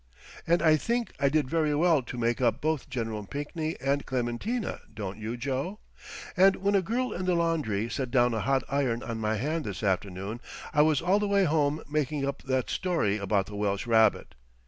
And I think I did very well to make up both General Pinkney and Clementina, don't you, Joe? And when a girl in the laundry set down a hot iron on my hand this afternoon I was all the way home making up that story about the Welsh rabbit.